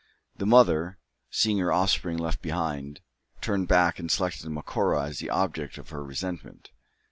The mother, seeing her offspring left behind, turned back and selected Macora as the object of her resentment.